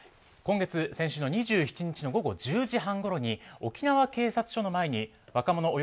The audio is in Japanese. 今月、先週２７日の午後１０時半ごろに沖縄警察署の前に若者